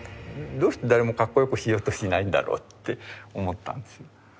どうして誰もかっこよくしようとしないんだろうって思ったんです。